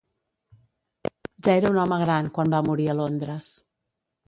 Ja era un home gran quan va morir a Londres.